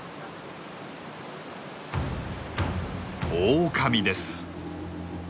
オオカミです。